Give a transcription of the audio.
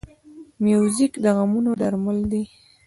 موزیک د غمونو درمل دی.